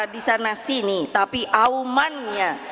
disana sini tapi aumannya